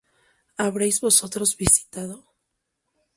¿Habréis vosotros visitado?